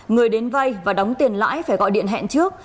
người đến vay và đóng tiền lãi phải gọi điện hẹn trước